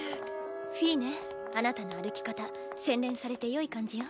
フィーネあなたの歩き方洗練されてよい感じよ。